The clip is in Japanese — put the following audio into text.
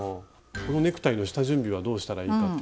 このネクタイの下準備はどうしたらいいかっていうのを。